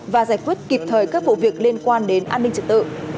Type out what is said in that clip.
và giải quyết kịp thời các vụ việc liên quan đến an ninh trật tự